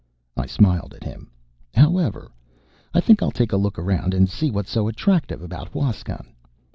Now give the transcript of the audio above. I smiled at him. "However, I think I'll take a look around and see what's so attractive about Huascan."